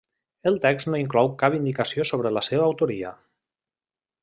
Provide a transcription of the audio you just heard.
El text no inclou cap indicació sobre la seva autoria.